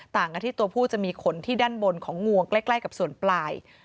ต่างกันที่ตัวผู้จะมีขนที่ด้านบนของงวงใกล้กับส่วนปลาย